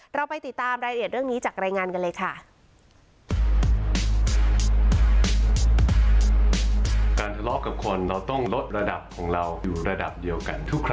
เราไปติดตามรายละเอียดเรื่องนี้จากรายงานกันเลยค่ะ